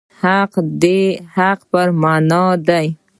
حقوق د حق په مانا دي.